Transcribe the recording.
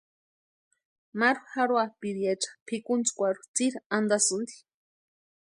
Maru jarhoapʼiriecha pʼikuntskwarhu tsiri antasïnti.